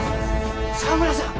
澤村さん！